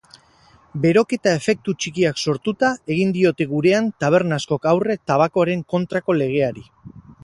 Beroketa efektu txikiak sortuta egin diote gurean taberna askok aurre tabakoaren kontrako legeari.